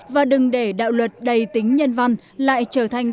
và đừng để đạo luật đầy tính nhân văn lại trở thành